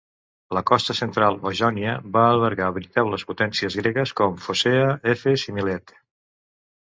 La costa central o Jònia va albergar veritables potències gregues com Focea, Efes i Milet.